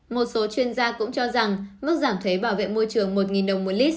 một số chuyên gia cũng cho rằng mức giảm thuế bảo vệ môi trường một đồng một lít